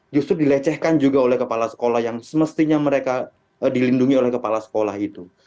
justru dilecehkan juga oleh kepala sekolah yang semestinya mereka dilindungi oleh kepala sekolah itu